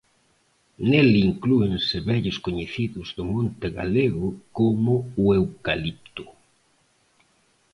Nel inclúense vellos coñecidos do monte galego como o eucalipto.